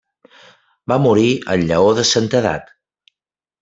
Va morir en llaor de santedat.